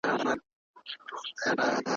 موږ باید له خوبه راویښ شو.